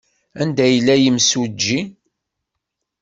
Anda yella yimsujji?